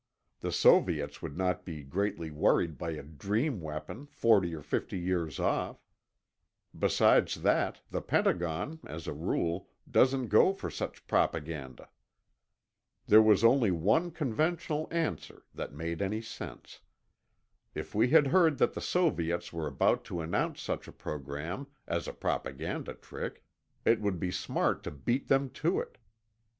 The Soviets would not be greatly worried by a dream weapon forty or fifty years off. Besides that, the Pentagon, as a rule, doesn't go for such propaganda. There was only one conventional answer that made any sense. If we had heard that the Soviets were about to announce such a program, as a propaganda trick, it would be smart to beat them to it.